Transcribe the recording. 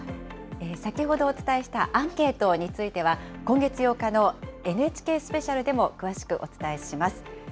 先ほどお伝えしたアンケートについては、今月８日のＮＨＫスペシャルでも詳しくお伝えします。